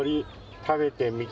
「食べてみて！」